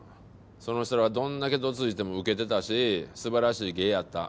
その人らはどんだけどついてもウケてたし素晴らしい芸やった。